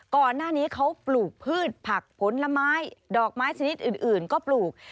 ก่อนหน้านี้เขาปลูกพืชผักผลไม้ดอกไม้ชนิดอื่นก็ปลูก